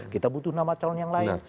kita butuh nama calon yang lain